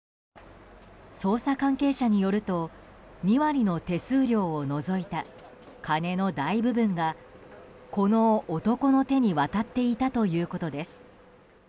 捜査関係者によると２割の手数料を除いた金の大部分が、この男の手に渡っていたということです。